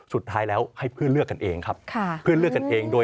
สุดท้ายแล้วให้เพื่อนเลือกกันเองครับเพื่อนเลือกกันเองโดย